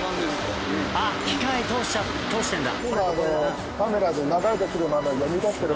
あっ機械通してるんだ。